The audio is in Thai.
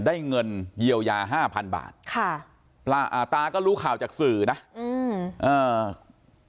ได้เงินเยียวยาห้าพันบาทค่ะตาอ่าตาก็รู้ข่าวจากสื่อนะอืมอ่า